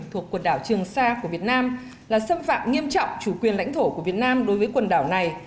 thuộc quần đảo trường sa của việt nam là xâm phạm nghiêm trọng chủ quyền lãnh thổ của việt nam đối với quần đảo này